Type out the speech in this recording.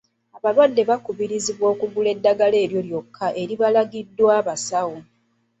Abalwadde bakubirizibwa okugula eddagala lyokka eribalagiddwa abasawo.